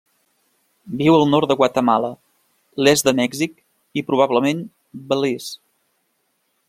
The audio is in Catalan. Viu al nord de Guatemala, l'est de Mèxic i, probablement, Belize.